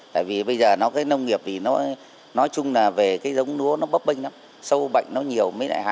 tại vì bây giờ cái nông nghiệp nói chung là về cái giống núa nó bấp bênh lắm sâu bệnh nó nhiều